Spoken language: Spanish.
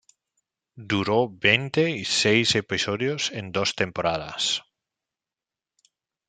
Duró veinte y seis episodios en dos temporadas.